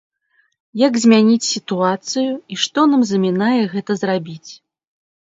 Як змяніць сітуацыю, і што нам замінае гэта зрабіць?